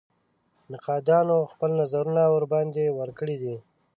نقادانو خپل نظرونه ورباندې ورکړي دي.